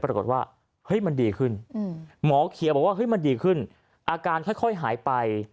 ปรากฏว่าเฮ้ยมันดีขึ้นหมอเคลียร์บอกว่าเฮ้ยมันดีขึ้นอาการค่อยหายไป